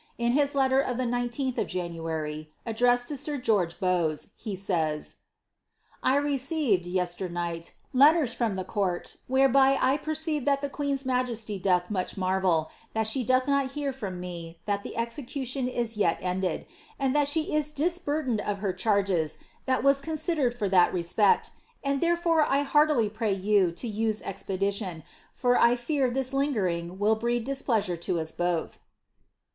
In his letter of the 10th of January, addressed to sir George Bowes, he says, —I received, yesternight, letters ftom the court, whereby I perceive tliat the parens msgesty doth much marvel that she doth not hear from me tliat the exe cution is yet ended, and that she is disburthened of her charges that was consi dered for that respect ; and therefore I heartily pray you to use expedition, for I fttr Ibis lingering will breed displeasure to us botli."